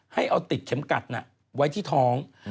ให้เอาติดเข็มกัดไว้ที่ท้อง